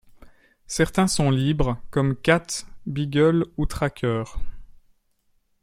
Certains sont libres comme Kat, Beagle ou Tracker.